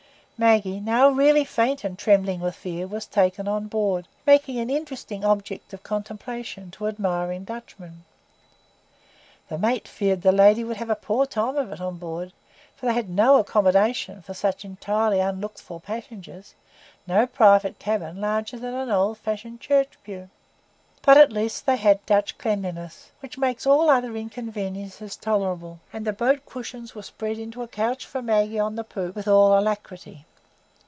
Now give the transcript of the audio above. Maggie, now really faint and trembling with fear, was taken on board, making an interesting object of contemplation to admiring Dutchmen. The mate feared the lady would have a poor time of it on board, for they had no accommodation for such entirely unlooked for passengers,—no private cabin larger than an old fashioned church pew. But at least they had Dutch cleanliness, which makes all other inconveniences tolerable; and the boat cushions were spread into a couch for Maggie on the poop with all alacrity.